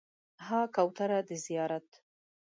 ها کوتره د زیارت